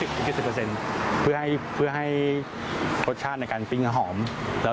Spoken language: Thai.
อ๋อเข้าใจแล้ว